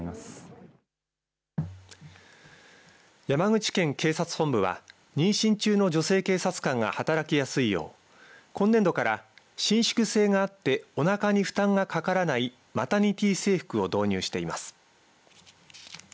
山口県警察本部は妊娠中の女性警察官が働きやすいよう今年度から伸縮性があっておなかに負担がかからないマタニティー制服を導入しています。